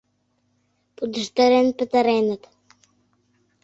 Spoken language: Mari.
Пудештарен пытареныт.